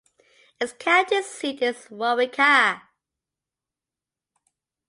Its county seat is Waurika.